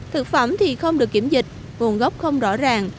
thực phẩm thì không được kiểm dịch nguồn gốc không rõ ràng